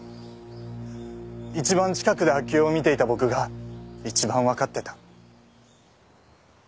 一番近くで明生を見ていた僕が一番分かってた。